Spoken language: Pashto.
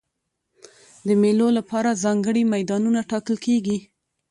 د مېلو له پاره ځانګړي میدانونه ټاکل کېږي.